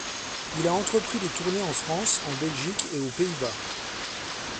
Il a entrepris des tournées en France, en Belgique et aux Pays-Bas.